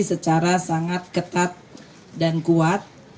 secara sangat ketat dan kuat